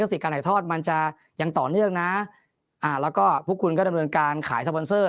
สิทธิ์การถ่ายทอดมันจะยังต่อเนื่องนะอ่าแล้วก็พวกคุณก็ดำเนินการขายสปอนเซอร์